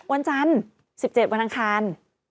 ๑๖วันอาทิตย์